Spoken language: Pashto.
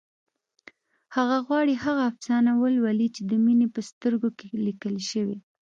هغه غواړي هغه افسانه ولولي چې د مينې په سترګو کې لیکل شوې